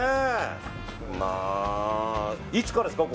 いつからですか？